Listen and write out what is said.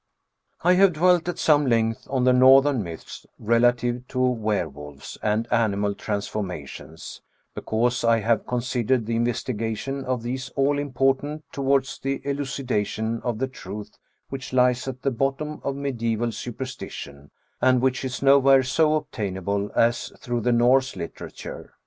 61 I have dwelt at some length on the Northern myths relative to were wolves and animal transformations, because I haye considered the investigation of these all important towards the elucidation of the truth which lies at the bottom of medisBval superstition, and which is nowhere so obtainable as through the Norse literature.